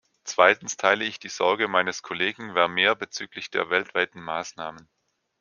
Zweitens teile ich die Sorge meines Kollegen Vermeer bezüglich der weltweiten Maßnahmen.